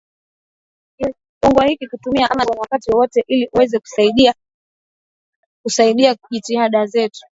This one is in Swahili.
kiungo hiki kutumia Amazon wakati wowote ili uweze kusaidia kusaidia jitihada zetu